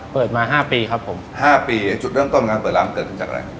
เปิดมาห้าปีครับผมห้าปีจุดเริ่มต้นงานเปิดร้านเกิดขึ้นจากอะไร